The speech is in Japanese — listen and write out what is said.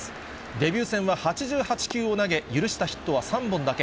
デビュー戦は８８球を投げ、許したヒットは３本だけ。